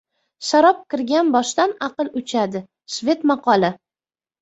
Sharob kirgan boshdan aql uchadi. Shved maqoli